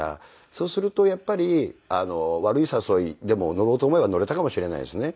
そうするとやっぱり悪い誘いでも乗ろうと思えば乗れたかもしれないですね。